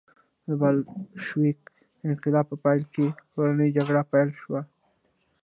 د بلشویک انقلاب په پایله کې کورنۍ جګړه پیل شوه.